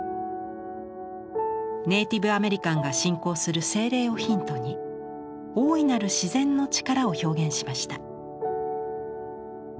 ネイティブアメリカンが信仰する精霊をヒントに大いなる自然の力を表現しました。